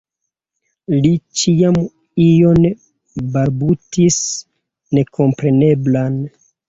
Li ĉiam ion balbutis nekompreneblan.